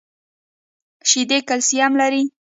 شیدې کلسیم لري